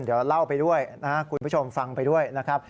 เดี๋ยวเล่าไปด้วยนะครับคุณผู้ชมฟังไปด้วยนะครับ